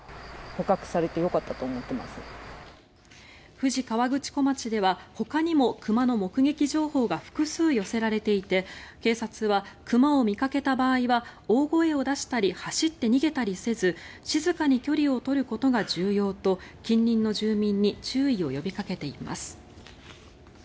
富士河口湖町ではほかにも熊の目撃情報が複数寄せられていて警察は熊を見かけた場合には大声を出したり走って逃げたりせず静かに距離を取ることが重要と近隣の住民に注意を呼びかけています。